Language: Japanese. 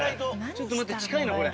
ちょっと待って近いなこれ。